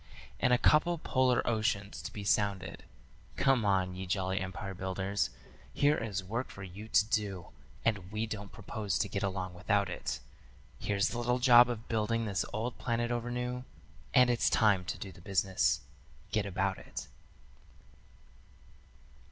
And a couple polar oceans to be sounded. Come on, ye jolly empire builders, here is work for you to do, And we don't propose to get along without it. Here's the little job of building this old planet over new, And it's time to do the business. Get about it.